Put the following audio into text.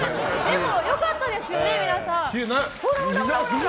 でも良かったですよね、皆さん。